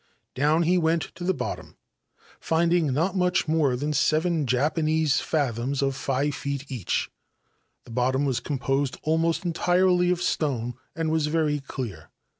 Down he went to the bottom, finding not much m than seven Japanese fathoms of five feet each, bottom was composed almost entirely of stones and very clear.